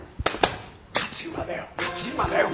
勝ち馬だよ勝ち馬だよ！